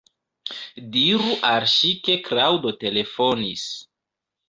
Diru al ŝi ke Klaŭdo telefonis.